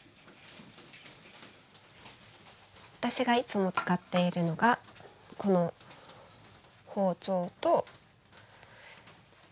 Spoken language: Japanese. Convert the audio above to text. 私がいつも使っているのがこの包丁とまな板です。